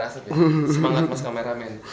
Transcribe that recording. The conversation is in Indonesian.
semangat mas cameraman